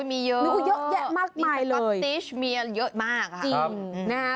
มีเยอะเยอะแยะมากมายเลยมีก็ติชเมียเยอะมากครับจริงนะฮะ